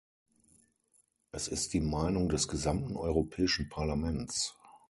Es ist die Meinung des gesamten Europäischen Parlaments.